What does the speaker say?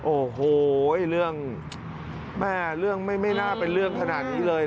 โอ้โฮเห้ยเรื่องไม่น่าเป็นเรื่องขนาดนี้เลย